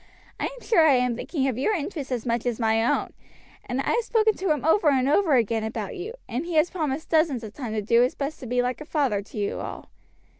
I am sure I am thinking of your interest as much as my own; and I have spoken to him over and over again about you, and he has promised dozens of times to do his best to be like a father to you all."